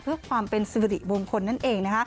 เพื่อความเป็นสิริมงคลนั่นเอง